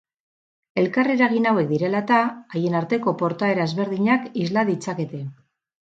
Elkarreragin hauek direla eta, haien arteko portaera ezberdinak isla ditzakete.